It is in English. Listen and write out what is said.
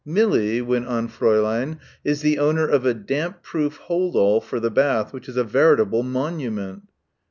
"Millie," went on Fräulein, "is the owner of a damp proof hold all for the bath which is a veritable monument."